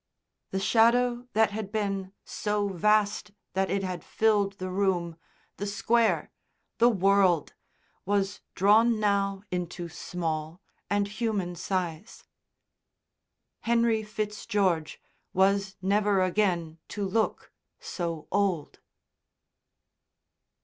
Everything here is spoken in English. The shadow that had been so vast that it had filled the room, the Square, the world, was drawn now into small and human size. Henry Fitzgeorge was never again to look so old.